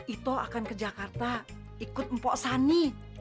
ito akan ke jakarta ikut mpok sani